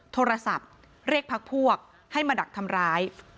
โทรศัพท์เรียกพักพวกให้มาดักทำร้าย